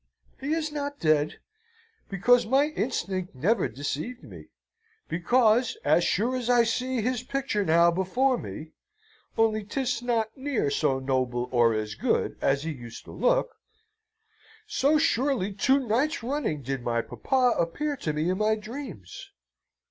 He is not dead, because my instinct never deceived me: because, as sure as I see his picture now before me, only 'tis not near so noble or so good as he used to look, so surely two nights running did my papa appear to me in my dreams.